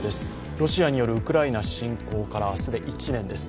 ロシアによるウクライナ侵攻から明日で１年です。